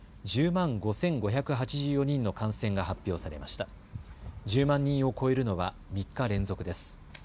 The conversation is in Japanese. １０万人を超えるのは３日連続です。